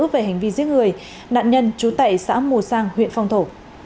về hành vi giết người nạn nhân trú tại xã mù sang huyện phong thổ